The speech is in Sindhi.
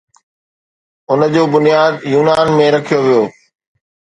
ان جو بنياد يونان ۾ رکيو ويو.